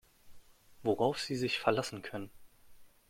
Worauf Sie sich verlassen können.